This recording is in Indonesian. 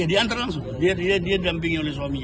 ya dia antar langsung dia diampingin oleh suaminya